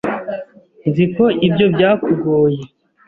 Nzi ko ibyo byakugoye.